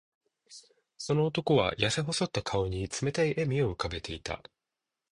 その男は、やせ細った顔に冷たい笑みを浮かべていた。